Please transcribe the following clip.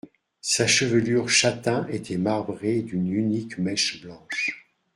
Sa chevelure châtain était marbrée d’une unique mèche blanche.